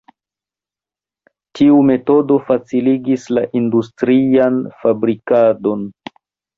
Tiu metodo faciligis la industrian fabrikadon.